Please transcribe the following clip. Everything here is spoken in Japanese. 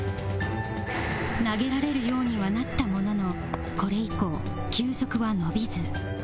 投げられるようにはなったもののこれ以降球速は伸びず